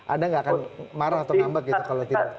anda nggak akan marah atau ngambek gitu kalau tidak